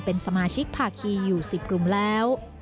เป็นสมาชิกภาคีอยู่๑๐กลุ่มแล้ว